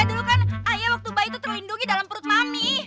dulu kan ayah waktu bayi itu terlindungi dalam perut mami